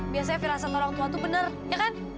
biasanya firasat orang tua itu benar ya kan